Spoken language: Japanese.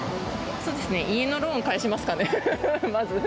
そうですね、家のローン返しますかね、まず。